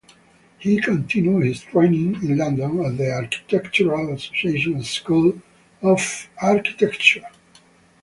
He continued his training in London at the Architectural Association School of Architecture.